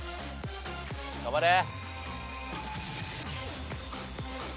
頑張れ！